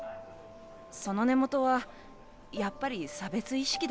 その根元はやっぱり差別意識だと思う。